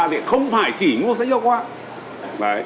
thì không phải chỉ mua sách giao khoa